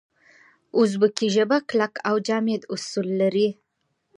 اوزبکي ژبه کلک او جامد اصول لري.